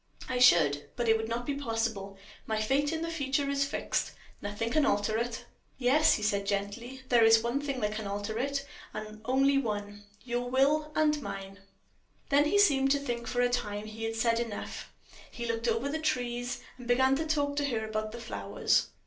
"I should; but it will not be possible. My fate in the future is fixed nothing can alter it." "Yes," he said, gently, "there is one thing that can alter it, and only one your will and mine." Then he seemed to think that for a time he had said enough. He looked over the trees, and began to talk to her about the flowers.